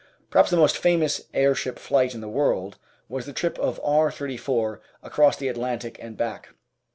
Perhaps the most famous airship flight in the world was the trip of R. 34 across the Atlantic and back.